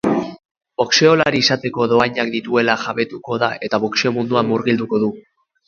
Boxeolari izateko dohainak dituela jabetuko da eta boxeo munduan murgilduko du.